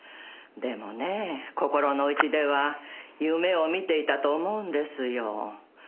でもね心の内では夢を見ていたと思うんですよ。